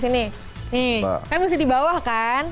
ini kan mesti di bawah kan